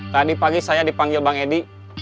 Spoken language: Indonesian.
tadi pagi saya dipanggil bang edi